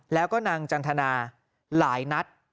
แล้วก็นางจันทนาหลายนัด